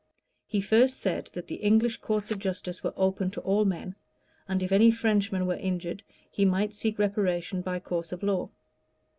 He first said, that the English courts of justice were open to all men; and if any Frenchman were injured, he might seek reparation by course of law.